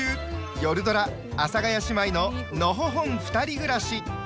よるドラ「阿佐ヶ谷姉妹ののほほんふたり暮らし」。